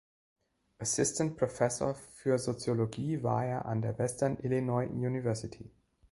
Assistant Professor für Soziologie war er an der Western Illinois University.